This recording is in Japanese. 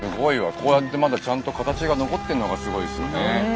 こうやってまだちゃんと形が残ってるのがすごいですよね。